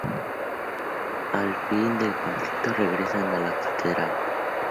Al fin del conflicto regresan a la catedral.